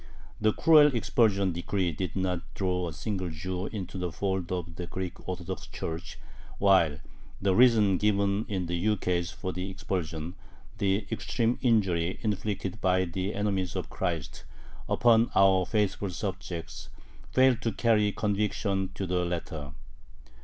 The cruel expulsion decree did not draw a single Jew into the fold of the Greek Orthodox Church, while the reason given in the ukase for the expulsion, "the extreme injury" inflicted by the enemies of Christ "upon our faithful subjects," failed to carry conviction to the latter.